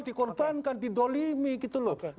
dikorbankan didolimi gitu loh